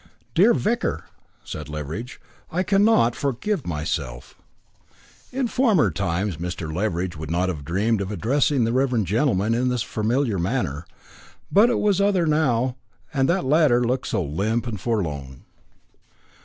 "Dear vicar," said Leveridge, "I cannot forgive myself." In former times, Mr. Leveridge would not have dreamed of addressing the reverend gentleman in this familiar manner, but it was other now that the latter looked so limp and forlorn.